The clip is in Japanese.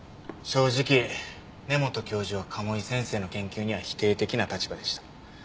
正直根本教授は賀茂井先生の研究には否定的な立場でした。